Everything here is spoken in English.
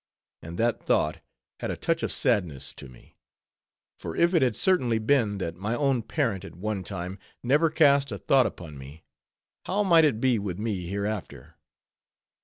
And that thought had a touch of sadness to me; for if it had certainly been, that my own parent, at one time, never cast a thought upon me, how might it be with me hereafter?